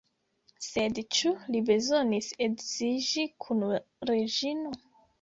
Sed ĉu li bezonis edziĝi kun Reĝino?